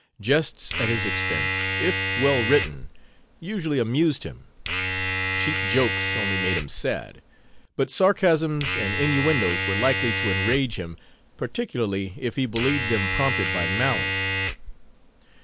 Jests at his expense, if well written, usually amused him; cheap jokes only made him sad; but sarcasms and innuendoes were likely to enrage him, particularly if he believed them prompted by malice.